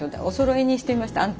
おそろいにしてみました